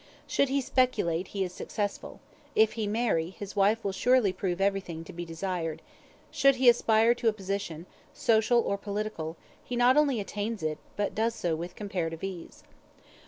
Should he speculate, he is successful; if he marry, his wife will surely prove everything to be desired; should he aspire to a position, social or political, he not only attains it, but does so with comparative ease.